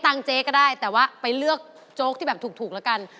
เจ๊ก็ได้แต่ว่าไปเลือกโจ๊กที่แบบถูกแล้วกัน